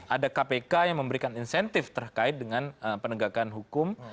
ada kpk yang memberikan insentif terkait dengan penegakan hukum